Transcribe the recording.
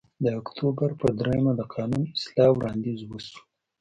د اکتوبر په درېیمه د قانون اصلاح وړاندیز وشو